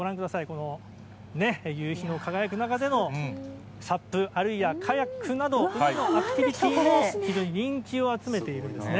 この夕日の輝く中でのサップ、あるいはカヤックなど、海のアクティビティーも非常に人気を集めているんですね。